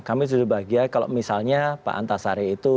kami sudah bahagia kalau misalnya pak antasari itu